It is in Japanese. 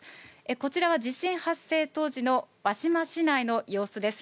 こちらは地震発生当時の輪島市内の様子です。